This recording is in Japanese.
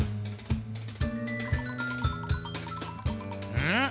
うん？